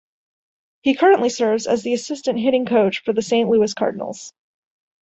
He currently serves as the assistant hitting coach for the Saint Louis Cardinals.